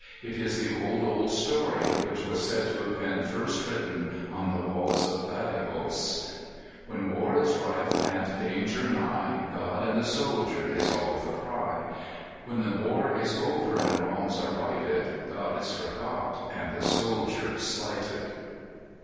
It is the old, old story which was said to have been first written on the walls of Badajos: "When war is rife and danger nigh, God and the soldier is all the cry; When war is over and wrongs are righted, God is forgot and the soldier slighted."